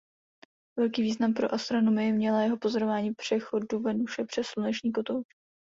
Velký význam pro astronomii měla jeho pozorování přechodu Venuše přes sluneční kotouč.